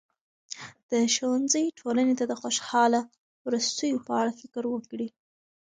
د ښوونځي ټولنې ته د خوشاله وروستیو په اړه فکر وکړي.